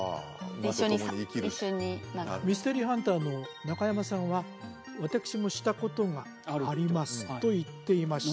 一緒にミステリーハンターの中山さんは私もしたことがありますと言っていました